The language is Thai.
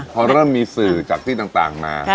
พอเริ่มมีสื่อจากที่ต่างมา